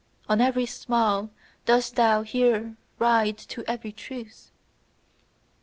On every simile dost thou here ride to every truth.